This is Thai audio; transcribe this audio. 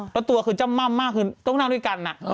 แล้วตัวคือจ้ำม่ำมากคือต้องนั่งด้วยกัน